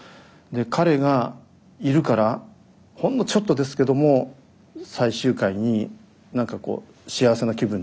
彼がいるからほんのちょっとですけども最終回に何か幸せな気分にみんながなれる。